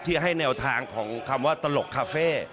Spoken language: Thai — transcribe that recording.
ให้แนวทางของคำว่าตลกคาเฟ่